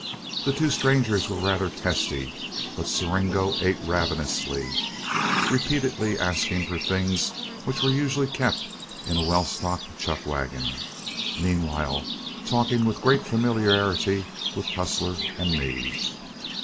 The two strangers were rather testy, but Siringo ate ravenously, repeatedly asking for things which were usually kept in a well stocked chuck wagon, meanwhile talking with great familiarity with Tussler and me.